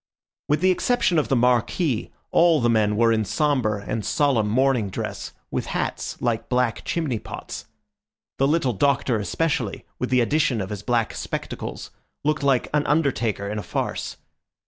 With the exception of the Marquis, all the men were in sombre and solemn morning dress, with hats like black chimney pots; the little Doctor especially, with the addition of his black spectacles, looked like an undertaker in a farce.